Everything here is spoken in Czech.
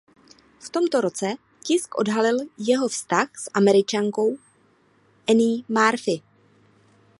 V tomto roce tisk odhalil jeho vztah s Američankou Annie Murphy.